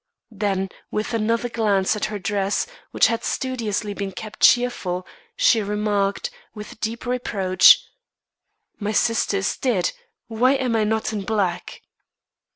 Then with another glance at her dress, which had studiously been kept cheerful, she remarked, with deep reproach: "My sister is dead; why am I not in black?"